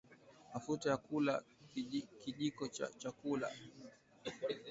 mafuta ya kula kijiko cha chakula